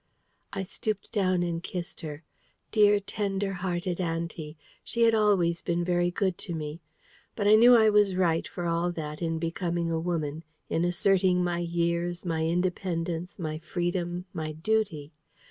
I stooped down and kissed her. Dear, tender hearted auntie! she had always been very good to me. But I knew I was right, for all that, in becoming a woman, in asserting my years, my independence, my freedom, my duty.